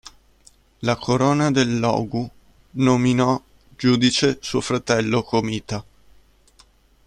La Corona de Logu nominò Giudice suo fratello Comita.